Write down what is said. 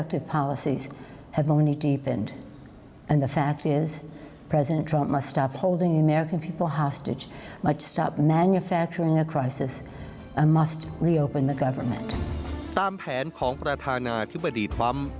ตามแผนของประธานาธิบดีปั๊ม